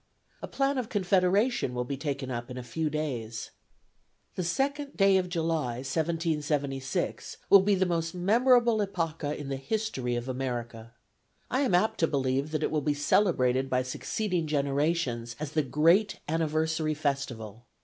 A plan of confederation will be taken up in a few days. ... "The second day of July, 1776, will be the most memorable epocha in the history of America. I am apt to believe that it will be celebrated by succeeding generations as the great anniversary festival.